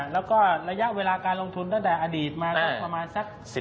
แล้วก็ระยะเวลาการลงทุนตั้งแต่อดีตมาก็ประมาณสัก๑๐